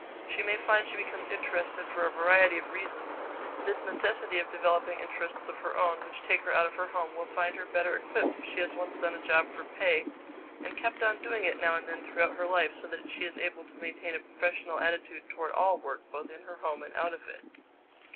She may find she becomes interested for a variety of reasons. This necessity of developing interests of her own which take her out of her home will find her better equipped if she has once done a job for pay and kept on doing it now and then throughout her life so that she is able to maintain a professional attitude toward all work, both in her home and out of it.